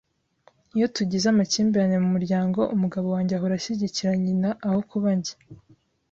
Iyo tugize amakimbirane mu muryango, umugabo wanjye ahora ashyigikira nyina aho kuba njye